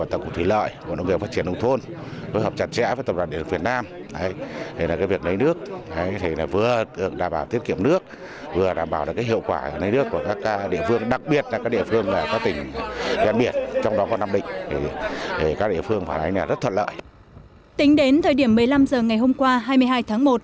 tính đến thời điểm một mươi năm h ngày hôm qua hai mươi hai tháng một